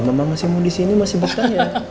kalau mama masih mau di sini masih buka ya